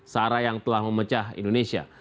sara yang telah memecah indonesia